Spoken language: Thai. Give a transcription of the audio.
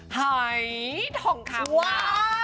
เฮ้ยมาก